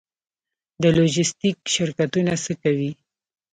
د لوژستیک شرکتونه څه کوي؟